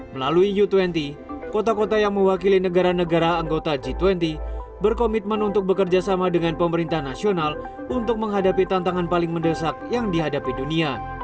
melalui u dua puluh kota kota yang mewakili negara negara anggota g dua puluh berkomitmen untuk bekerjasama dengan pemerintah nasional untuk menghadapi tantangan paling mendesak yang dihadapi dunia